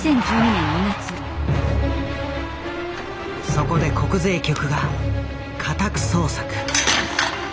そこで国税局が家宅捜索。